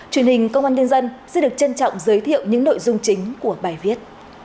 truyền hình công an nhân dân xin được trân trọng giới thiệu những nội dung chính của bài viết